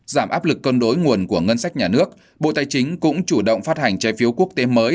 giảm áp lực cân đối nguồn của ngân sách nhà nước bộ tài chính cũng chủ động phát hành trái phiếu quốc tế mới